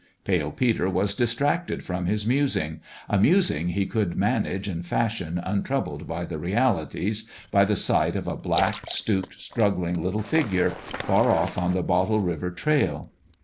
Pale Peter was distracted from his musing a musing he could manage and fashion untroubled by the realities by the sight of a black, stooped, struggling little figure, far off on the Bottle River trail.